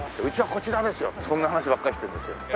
「うちはこちらですよ」ってそんな話ばっかりしてるんですよ。